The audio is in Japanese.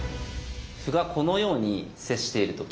歩がこのように接している時。